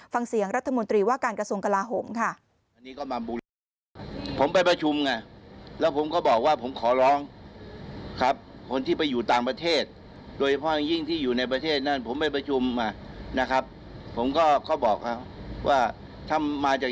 ฟังเสียงรัฐมนตรีว่าการกระทรวงกลาโหมค่ะ